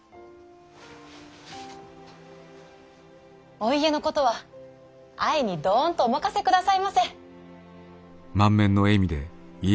お家のことは愛にどんとお任せくださいませ！